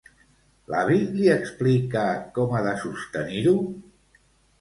L'avi li explica com ha de sostenir-ho?